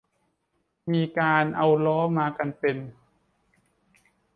มีการเอาล้อมากันเป็น